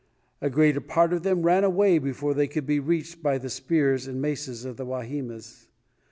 A greater part of them ran away before they could be reached by the spears and maces of the Wahimas.